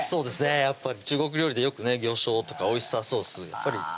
やっぱり中国料理でよくね魚醤とかオイスターソースうわ